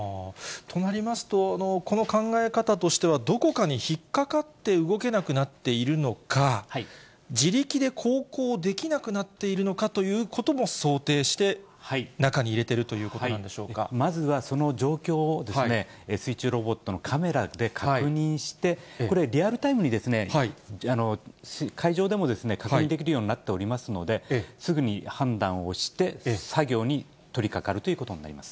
となりますと、この考え方としては、どこかに引っ掛かって動けなくなっているのか、自力で航行できなくなっているのかということも想定して、中に入まずはその状況をですね、水中ロボットのカメラで確認して、これ、リアルタイムに海上でも確認できるようになっていますので、すぐに判断をして、作業に取りかかるということになります。